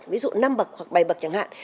ví dụ năm bậc hoặc bảy bậc chẳng hạn